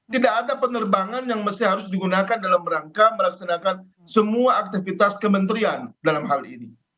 tidak ada penerbangan yang mesti harus digunakan dalam rangka melaksanakan semua aktivitas kementerian dalam hal ini